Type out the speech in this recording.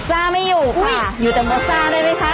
ซ่าไม่อยู่ค่ะอยู่แต่เบอร์ซ่าได้ไหมคะ